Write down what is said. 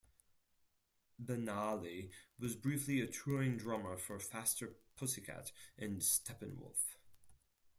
Banali was briefly a touring drummer for Faster Pussycat and Steppenwolf.